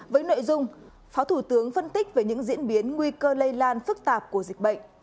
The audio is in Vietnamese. với nội dung phó thủ tướng phân tích về những diễn biến nguy cơ lây lan phức tạp của dịch bệnh